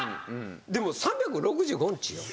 でも３６５日よ？